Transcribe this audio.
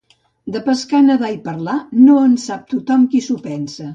De pescar, nedar i parlar, no en sap tothom qui s'ho pensa.